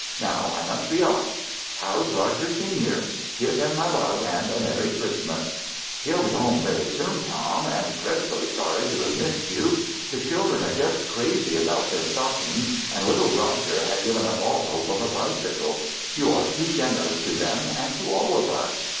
Now I must be off. How's Eoger, senior? Give him my love and a merry Christmas." "He'll be at home very soon, Tom, and dreadfully sorry to have missed you. The children are just crazy about their stockings, and little Roger had given up all hope of a bicycle. You are too generous to them and to all of us.